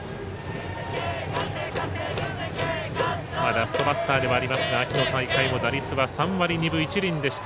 ラストバッターではありますが、秋の大会の打率は３割２分１厘でした。